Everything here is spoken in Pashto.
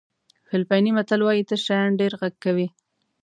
فلیپیني متل وایي تش شیان ډېر غږ کوي.